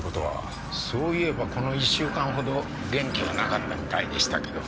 そういえばこの１週間ほど元気がなかったみたいでしたけど。